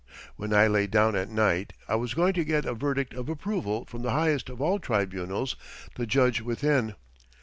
When I lay down at night I was going to get a verdict of approval from the highest of all tribunals, the judge within.